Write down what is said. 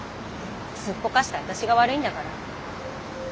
すっぽかした私が悪いんだから。